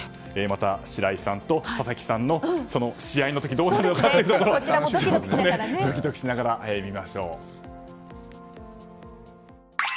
また白井さんと佐々木さんの試合の時どうなるかということドキドキしながら見ましょう。